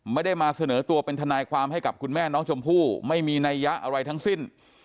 ไม่ได้มาเสนอตัวเป็นทนายความให้กับคุณแม่น้องชมพู่ไม่มีนัยยะอะไรทั้งสิ้น